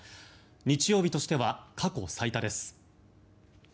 日曜日としては過去最多です。